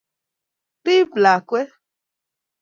rib lakwet